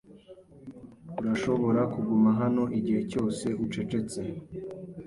Urashobora kuguma hano igihe cyose ucecetse.